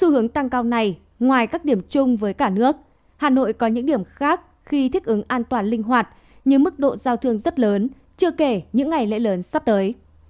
hà nội có những điểm khác khi thích ứng an toàn linh hoạt như mức độ giao thương rất lớn chưa kể những ngày lễ lớn sắp tới